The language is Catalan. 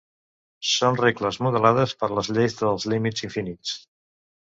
Són regles modelades per les lleis dels límits infinits.